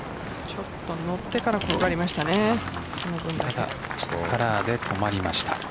ちょっと乗ってから転がりましたね。